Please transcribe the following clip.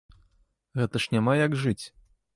Гэта ж няма як жыць!